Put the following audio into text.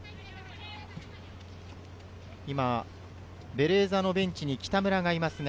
ベレーザのベンチに北村がいます。